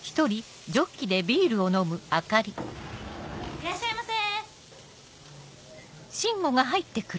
いらっしゃいませ！